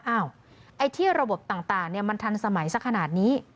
ไอ้ที่ระบบต่างมันทันสมัยสักขนาดนี้